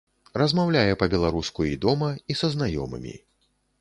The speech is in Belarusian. Размаўляе па-беларуску і дома, і са знаёмымі.